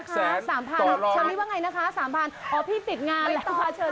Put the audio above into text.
ชัยมึยว่าไงนะคะ๓๐๐๐พี่ติดงานแล้วครับเชอรี่